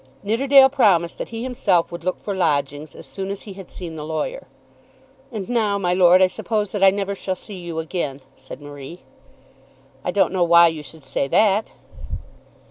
Nidderdale promised that he himself would look for lodgings, as soon as he had seen the lawyer. "And now, my lord, I suppose that I never shall see you again," said Marie. "I don't know why you should say that."